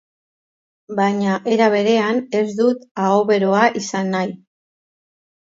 Baina, era berean, ez dut ahoberoa izan nahi.